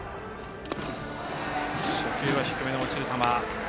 初球は低めの落ちる球。